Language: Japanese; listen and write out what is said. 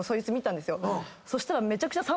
そしたらめちゃくちゃ。